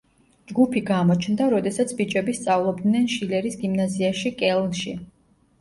ჯგუფი გამოჩნდა, როდესაც ბიჭები სწავლობდნენ შილერის გიმნაზიაში კელნში.